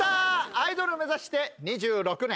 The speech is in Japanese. アイドル目指して２６年。